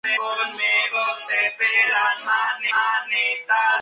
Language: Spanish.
Surgió una magnífica residencia.